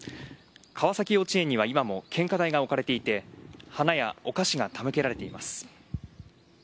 川崎幼稚園には今も献花台が置かれていて花やお菓子が手向けられています。